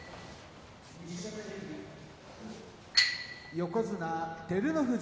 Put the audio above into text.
横綱照ノ富士